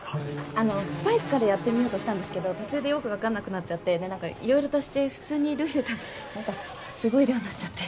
あのスパイスからやってみようとしたんですけど途中でよく分かんなくなっちゃって何かいろいろ足して普通にルー入れたら何かすごい量になっちゃって。